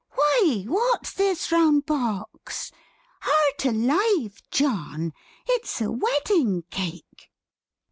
"Why what's this round box? Heart alive, John, it's a wedding cake!"